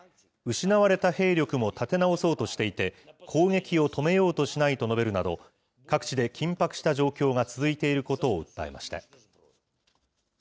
失われた兵力も立て直そうとしていて、攻撃を止めようとしないと述べるなど、各地で緊迫した状況が続いていることを訴えました。